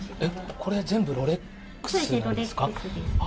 これ全部、ロレックスなんですか。